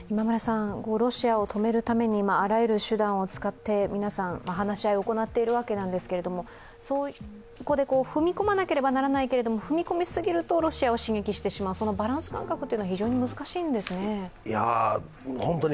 ロシアを止めるためにあらゆる手段を使って皆さん、話し合いを行っているわけなんですけどそこで踏み込まなければならないけれども、踏み込むすぎるとロシアを刺激してしまう、そのバランス感覚が非常に難しいんですね。